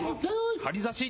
張り差し。